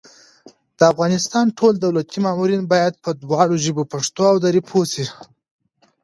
د افغانستان ټول دولتي مامورین بايد په دواړو ژبو پښتو او دري پوه شي